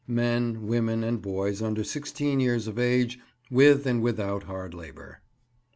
MEN, WOMEN, AND BOYS UNDER SIXTEEN YEARS OF AGE, WITH AND WITHOUT HARD LABOUR.